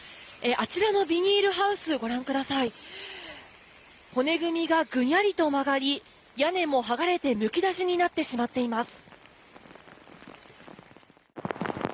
あちらのビニールハウスご覧ください、骨組みが曲がり屋根も剥がれてむき出しになってしまっています。